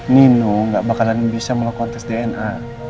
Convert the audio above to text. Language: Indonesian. nino nggak bakalan bisa melakukan tes dna